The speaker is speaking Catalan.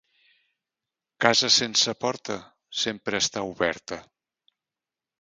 Casa sense porta sempre està oberta.